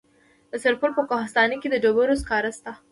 د سرپل په کوهستان کې د ډبرو سکاره شته.